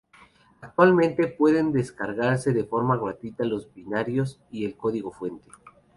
Actualmente pueden descargarse de forma gratuita los binarios y el código fuente.